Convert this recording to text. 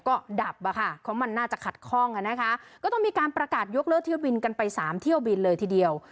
ก็ดับอ่ะค่ะเพราะมันน่าจะขัดข้องอ่ะนะคะก็ต้องมีการประกาศยกเลิกเที่ยวบินกันไปสามเที่ยวบินเลยทีเดียว